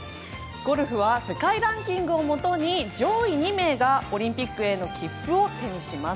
ゴルフは世界ランキングをもとに上位２名がオリンピックへの切符を手にします。